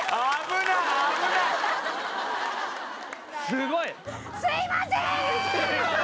すごいすいません！